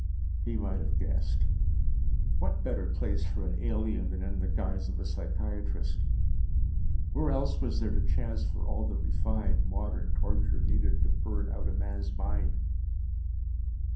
He might have guessed. What better place for an alien than in the guise of a psychiatrist? Where else was there the chance for all the refined, modern torture needed to burn out a man's mind?